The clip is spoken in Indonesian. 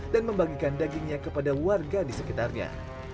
dan membagikan dagingnya kepada warga di sekitarnya